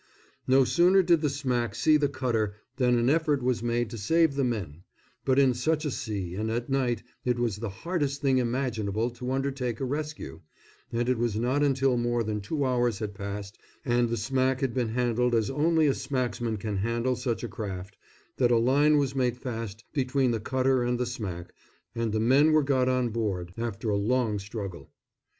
No sooner did the smack see the cutter than an effort was made to save the men; but in such a sea and at night it was the hardest thing imaginable to undertake a rescue, and it was not until more than two hours had passed and the smack had been handled as only a smacksman can handle such a craft, that a line was made fast between the cutter and the smack and the men were got on board, after a long struggle.